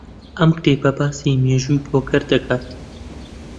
ئەم کتێبە باسی مێژووی پۆکەر دەکات.